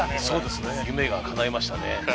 そうですね夢がかないましたね